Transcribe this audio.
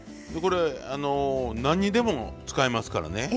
これ何にでも使えますからね。